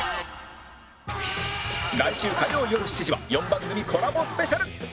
来週火曜よる７時は４番組コラボスペシャル